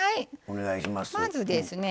まずですね